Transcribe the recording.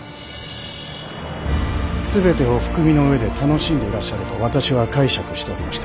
全てお含みの上で楽しんでいらっしゃると私は解釈しておりました。